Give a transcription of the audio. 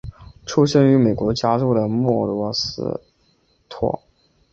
出生于美国加州的莫德斯托。